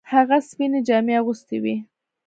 هغه سپینې جامې اغوستې وې.